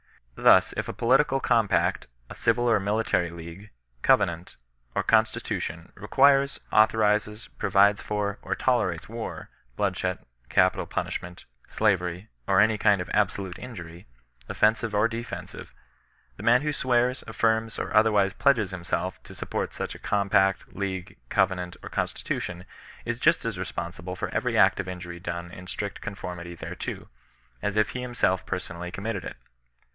Thus if a political compact, a civil or militaiy league, covenant, or consti tution, requires, authorizes, provides for, or tolerates war, bloodshed, capital punishment, slavery, or any kind of absoltUe injurt/, offensive or defensive, the man who swears, affirms, or otherwise pledges himself to support such a compact, league, covenant, or constitution, is just as responsible for every act of injury done in strict con formity thereto, as if he himself personally committed it.